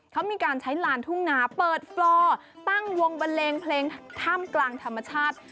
เขามีการใช้ลานทุ่งนาเปิดฟลอตั้งวงบันเลงเพลงถ้ำกลางธรรมชาติ